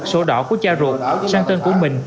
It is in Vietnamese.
số đỏ của cha ruột sang tên của mình